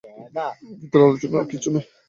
এই ক্ষেত্রে, আলোচনার আর কিছুই নেই।